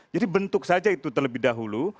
jadi bentuk saja itu terlebih dahulu